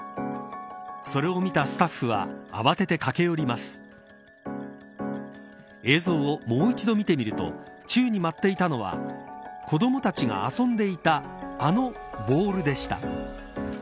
それを見たスタッフは慌てて駆け寄ります映像をもう一度見てみると宙に舞っていたのは子どもたちが遊んでいたあのボールでした。